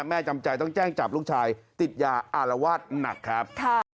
จำใจต้องแจ้งจับลูกชายติดยาอารวาสหนักครับ